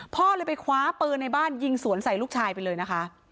พ่อเลยไปคว้าปืนในบ้านยิงสวนใส่ลูกชายไปเลยนะคะ